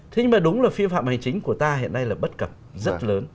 thế nhưng mà đúng là phi phạm hành chính của ta hiện nay là bất cập rất lớn